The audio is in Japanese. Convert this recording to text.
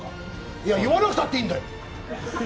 いや、言わなくたっていいんだよ。